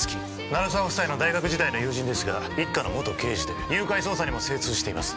鳴沢夫妻の大学時代の友人ですが一課の元刑事で誘拐捜査にも精通しています